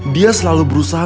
dia selalu berusaha